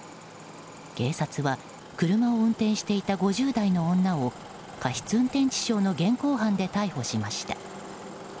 警察は、車を運転していた５０代の女を過失運転致傷の現行犯で逮捕しました。